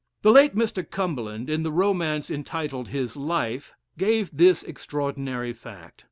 The late Mr. Cumberland, in the romance entitled his 'Life' gave this extraordinary fact.